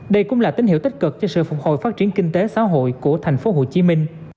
đây là tín hiệu tích cực cho sự phục hồi phát triển kinh tế xã hội của tp hcm